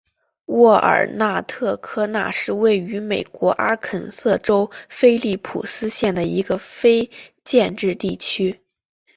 沃尔纳特科纳是位于美国阿肯色州菲利普斯县的一个非建制地区。